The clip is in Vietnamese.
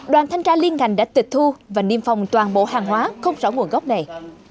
đoàn thanh tra liên ngành đã tịch thu và niêm phòng toàn bộ hàng hóa không rõ nguồn gốc này